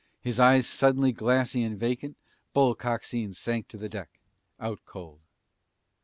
His eyes suddenly glassy and vacant, Bull Coxine sank to the deck, out cold.